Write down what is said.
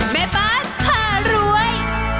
แม่บ้านผ่ารวย